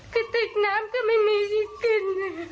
คทิกน้ำก็ไม่มีอีกกลิ่น